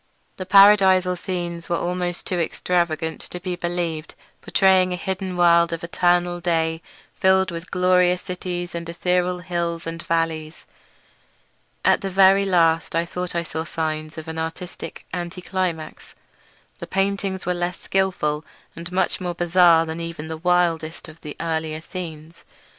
The paradisal scenes were almost too extravagant to be believed; portraying a hidden world of eternal day filled with glorious cities and ethereal hills and valleys. At the very last I thought I saw signs of an artistic anti climax. The paintings were less skilful, and much more bizarre than even the wildest of the earlier scenes.